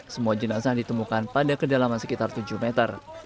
semua jenazah ditemukan pada kedalaman sekitar tujuh meter